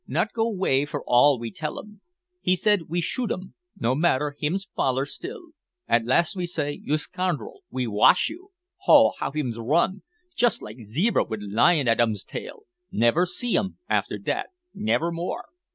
Not go way for all we tell 'um. We said we shoot 'um. No matter, hims foller still. At last we say, `You scoun'rel, we wash you!' Ho! how hims run! Jist like zebra wid lion at 'um's tail. Nevair see 'um after dat nevair more!"